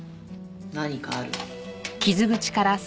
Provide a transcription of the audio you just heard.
何かある。